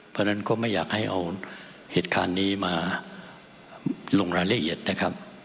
เพราะฉะนั้นก็ไม่อยากให้เอาเหตุการณ์นี้มาลงรายละเอียดนะครับ